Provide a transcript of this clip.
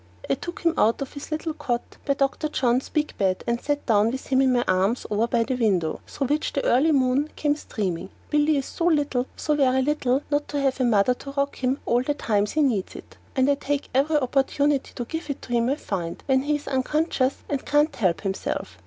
I took him out of his little cot by Dr. John's big bed and sat down with him in my arms over by the window, through which the early moon came streaming. Billy is so little, so very little not to have a mother to rock him all the times he needs it, that I take every opportunity to give it to him I find when he's unconscious and can't help himself.